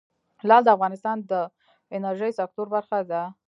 لعل د افغانستان د انرژۍ سکتور برخه ده.